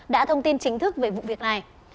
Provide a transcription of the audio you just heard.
đã thông tin chính thức về vụ việc này